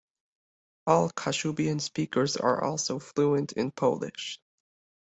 All Kashubian speakers are also fluent in Polish.